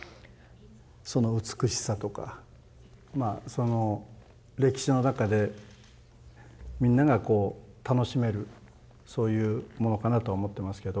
その美しさとかその歴史の中でみんなが楽しめるそういうものかなとは思ってますけど。